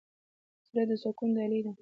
زړه د سکون ډالۍ ده.